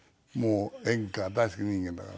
もう演歌大好き人間だからね。